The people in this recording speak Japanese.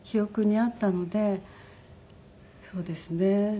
そうですね。